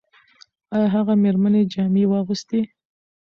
ایا هغه مېرمنې جامې واغوستې؟